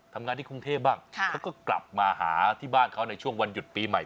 ทำงานที่กรุงเทพบ้างเขาก็กลับมาหาที่บ้านเขาในช่วงวันหยุดปีใหม่